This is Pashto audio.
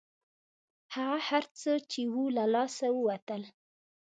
هغه هر څه چې وو له لاسه ووتل.